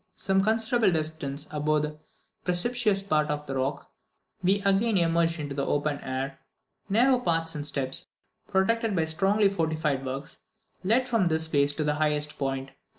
Some considerable distance above the precipitous part of the rock, we again emerged into the open air; narrow paths and steps, protected by strongly fortified works, led from this place to the highest point.